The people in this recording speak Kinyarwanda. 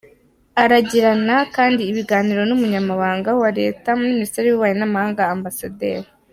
Aragirana kandi ibiganiro n’Umunyamabanga wa Leta muri Minisiteri y’Ububanyi n’Amahanga, Amb.